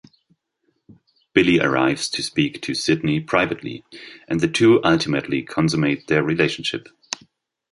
Billy arrives to speak to Sidney privately, and the two ultimately consummate their relationship.